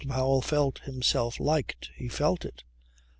Powell felt himself liked. He felt it.